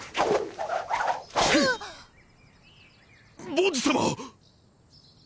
ボッジ様！？